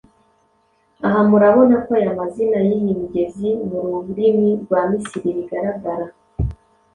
Aha murabona ko aya mazina y’iyi migezi mu rurimi rwa Misiri bigaragara